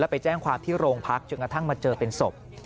ไปแจ้งความที่โรงพักจนกระทั่งมาเจอเป็นศพ